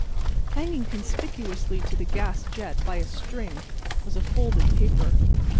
Hanging conspicuously to the gas jet by a string was a folded paper.